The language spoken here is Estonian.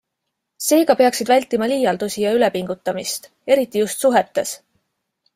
Seega peaksid vältima liialdusi ja ülepingutamist - eriti just suhetes.